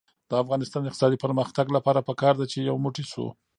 د افغانستان د اقتصادي پرمختګ لپاره پکار ده چې یو موټی شو.